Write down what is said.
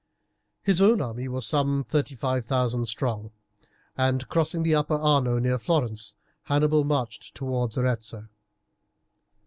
His own army was some 35,000 strong, and crossing the Upper Arno near Florence, Hannibal marched towards Arezzo.